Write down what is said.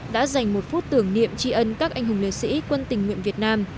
đã dành một phút tưởng niệm tri ân các anh hùng liệt sĩ quân tình nguyện việt nam